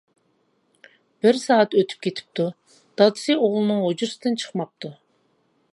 بىر سائەت ئۆتۈپ كېتىپتۇ، دادىسى ئوغلىنىڭ ھۇجرىسىدىن چىقماپتۇ.